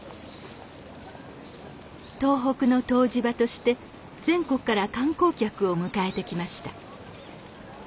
東北の湯治場として全国から観光客を迎えてきました。